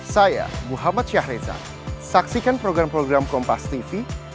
saya muhammad syahriza saksikan program program kompas tv